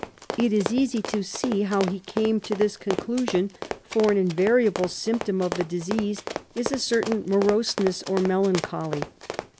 It is easy to see how he came to this conclusion, for an invariable symptom of the disease is a certain moroseness or melancholy.